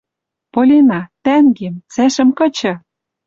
«Полина, тӓнгем, цӓшӹм кычы!